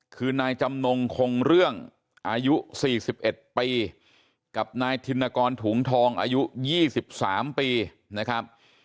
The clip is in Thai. คือนายจำนงคงเรื่องอายุสี่สิบเอ็ดปีกับนายธินกรถุงทองอายุยี่สิบสามปีนะครับ